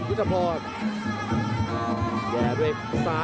พยาบกระแทกมัดเย็บซ้าย